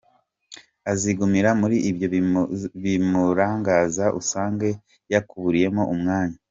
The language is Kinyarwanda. Azigumira muri ibyo bimurangaza usange yakuburiye umwanya.